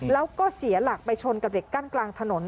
แล้วก็เสียหลักไปชนกับเหล็กกั้นกลางถนน